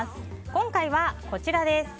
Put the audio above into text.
今回はこちらです。